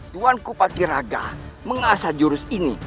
tuan kupati raga mengasah jurus ini